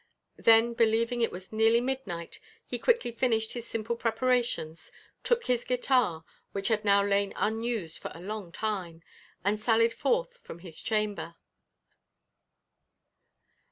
Then, believing it was nearly midnight, he quickly finished his simple preparations, took his guitar (which had now lain unused for a long time), and sallied forth from his chamber.